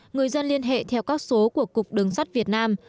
người dân liên hệ theo các số của cục đường sắt việt nam